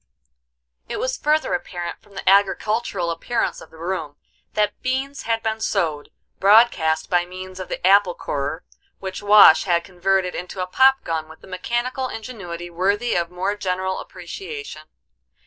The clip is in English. It was further apparent from the agricultural appearance of the room that beans had been sowed broadcast by means of the apple corer, which Wash had converted into a pop gun with a mechanical ingenuity worthy of more general appreciation.